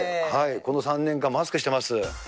この３年間、マスクしてます。